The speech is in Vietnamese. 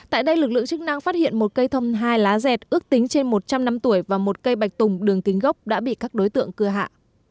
tại đây lực lượng chức năng phát hiện một cây thông hai lá dẹt ước tính trên một trăm linh năm tuổi và một cây bạch tùng đường kính gốc đã bị các đối tượng cưa hạ